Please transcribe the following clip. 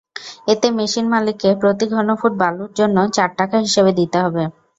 এতে মেশিন মালিককে প্রতি ঘনফুট বালুর জন্য চার টাকা হিসেবে দিতে হবে।